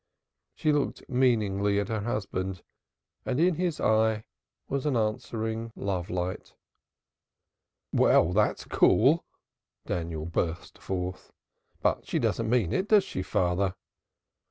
She looked meaningly at her husband, and in his eye was an answering love light. "Well, that's cool!" Daniel burst forth. "But she doesn't mean it, does she, father?"